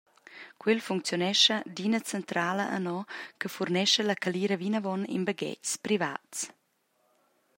Quel funcziunescha d’ina centrala ano che furnescha la calira vinavon en baghetgs privats.